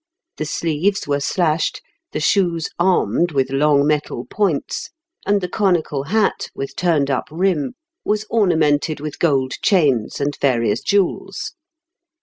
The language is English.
The sleeves were slashed, the shoes armed with long metal points, and the conical hat, with turned up rim, was ornamented with gold chains and various jewels.